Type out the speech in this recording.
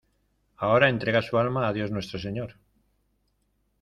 ahora entrega su alma a Dios Nuestro Señor.